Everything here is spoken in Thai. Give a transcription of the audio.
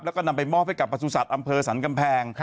แล้วก็นำไปมอบให้กับประสุทธิ์อำเภอสรรกำแพง